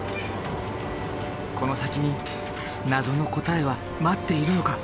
この先に謎の答えは待っているのか？